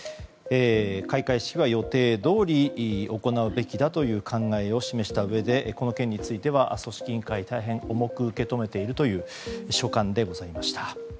開会式は予定どおり行うべきだという考えを示したうえでこの件について組織委員会は受け止めているという所感でございました。